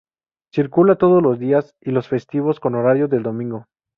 Circula todo los días, y los festivos con horario del domingo.